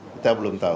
kita belum tahu